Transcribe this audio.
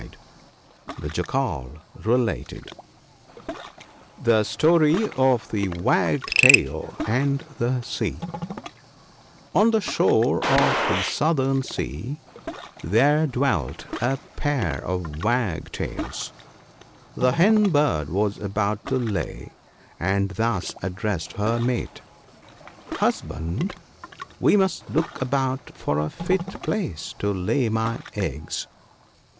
" The Jackal related :— F 82 THE BOOK OF GOOD COUNSELS. $fie £tDtg of tlje U^agtail anti tfie £ea* ;N the shore of the Southern Sea there dwelt a pair of Wagtails. The Hen bird was about to lay, and thus addressed her mate :—" Husband, we must look about for a fit place to lay my eggs."